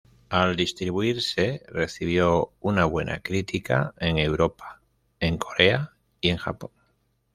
Al distribuirse recibió una buena crítica en Europa, en Corea y en Japón.